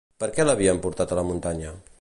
Per què l'havien portat a la muntanya?